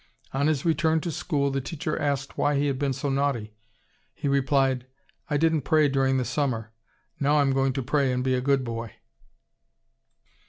On his return to school the teacher asked why he had been so naughty. He replied, "I didn't pray during the summer. Now I'm going to pray and be a good boy."